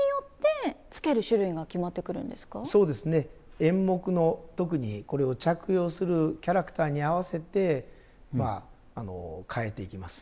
演目の特にこれを着用するキャラクターに合わせてまあ変えていきます。